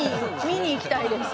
見に行きたいです